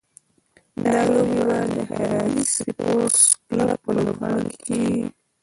دا لوبې به د هراري سپورټس کلب په لوبغالي کې کېږي.